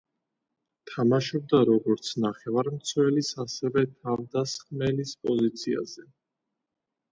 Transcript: თამაშობდა როგორც ნახევარმცველის, ასევე, თავდამსხმელის პოზიციაზე.